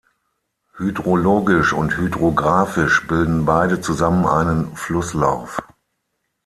Hydrologisch und hydrografisch bilden beide zusammen einen Flusslauf.